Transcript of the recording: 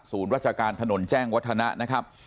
ศูนย์วัจการถนนแจ้งวัฒนะนะครับ